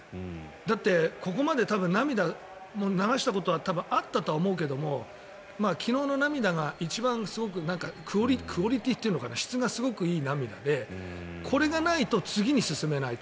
だってここまで涙を流したことは多分あったとは思うけど昨日の涙が一番クオリティーというか質がすごくいい涙でこれがないと次に進めないと。